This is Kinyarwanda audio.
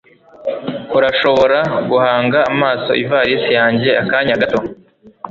Urashobora guhanga amaso ivalisi yanjye akanya gato?